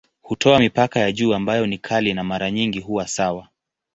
Hutoa mipaka ya juu ambayo ni kali na mara nyingi huwa sawa.